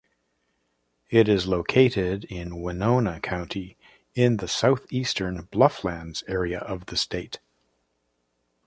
It is located in Winona County in the southeastern blufflands area of the state.